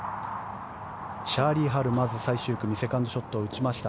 チャーリー・ハルまず最終組セカンドショットを打ちました。